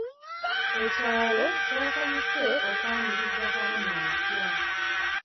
Ekyalo kyasanyuse okwaniriza kabona omupya.